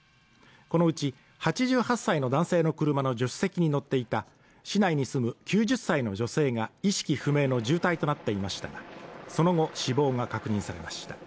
このうち、８８歳の男性の車の助手席に乗っていた市内に住む９０歳の女性が意識不明の重体となっていましたが、その後死亡が確認されました。